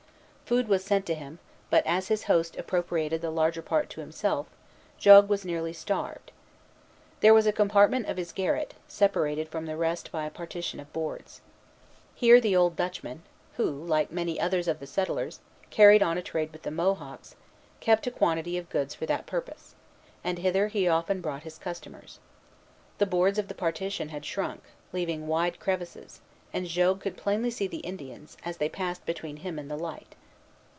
Food was sent to him; but, as his host appropriated the larger part to himself, Jogues was nearly starved. There was a compartment of his garret, separated from the rest by a partition of boards. Here the old Dutchman, who, like many others of the settlers, carried on a trade with the Mohawks, kept a quantity of goods for that purpose; and hither he often brought his customers. The boards of the partition had shrunk, leaving wide crevices; and Jogues could plainly see the Indians, as they passed between him and the light.